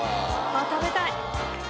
あっ食べたい。